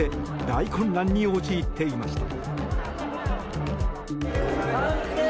大混乱に陥っていました。